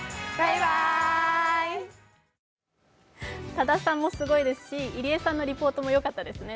多田さんもすごいですし入江さんのリポートもよかったですね。